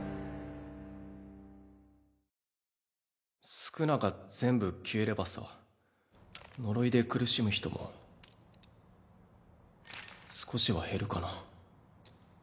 宿儺が全部消えればさ呪いで苦しむ人も少しは減るかな？